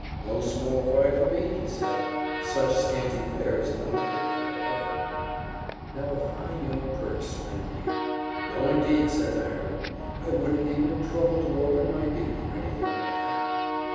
"No small fry for me," he said. "Such scanty fare is not fit for a Heron." Now a fine young Perch swam near. "No indeed," said the Heron. "I wouldn't even trouble to open my beak for anything like that!"